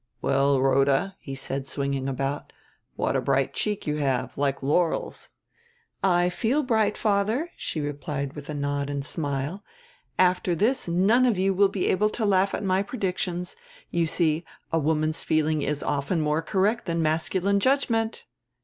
"Well, Rhoda," he said, swinging about; "what a bright cheek you have like Laurel's." "I feel bright, father," she replied with a nod and smile. "After this none of you will be able to laugh at my predictions. You see, a woman's feeling is often more correct than masculine judgment."